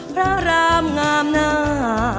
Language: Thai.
พระรามงามหน้า